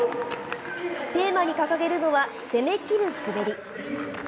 テーマに掲げるのは、攻めきる滑り。